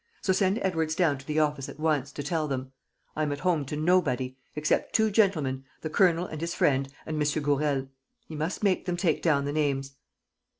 So send Edwards down to the office at once, to tell them. I am at home to nobody ... except two gentlemen, the Colonel and his friend, and M. Gourel. He must make them take down the names."